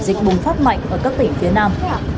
dịch bùng phát mạnh ở các tỉnh phía nam